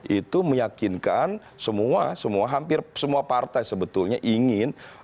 itu meyakinkan semua hampir semua partai sebetulnya ingin